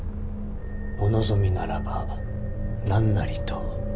お望みならば何なりと。